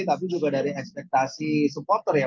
tapi juga dari ekspektasi supporter ya